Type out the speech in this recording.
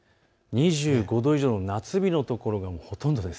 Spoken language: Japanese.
２５度以上の夏日の所がほとんどです。